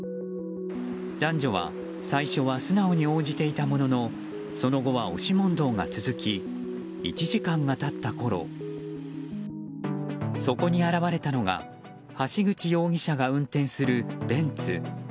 男女は最初は素直に応じていたもののその後は押し問答が続き１時間が経ったころそこに現れたのが橋口容疑者が運転するベンツ。